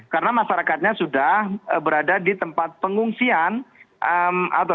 karena masyarakatnya sudah berada di tempat pengungsian eee